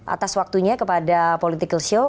atas waktunya kepada political show